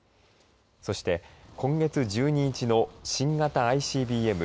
そして今月１２日の新型ＩＣＢＭ